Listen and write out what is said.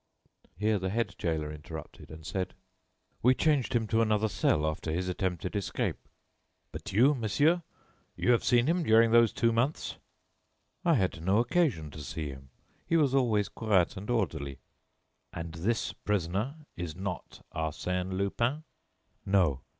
Here the head gaoler interrupted, and said: "We changed him to another cell after his attempted escape." "But you, monsieur, you have seen him during those two months?" "I had no occasion to see him. He was always quiet and orderly." "And this prisoner is not Arsène Lupin?" "No."